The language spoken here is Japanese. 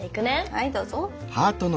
はいどうぞ。